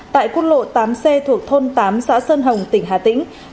tại quốc lộ tám c thuộc thôn tám xã sơn hồng tỉnh hà tĩnh